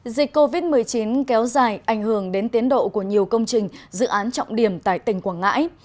dịch covid một mươi chín kéo dài ảnh hưởng đến tiến độ của nhiều công trình dự án trọng điểm tại tỉnh quảng ngãi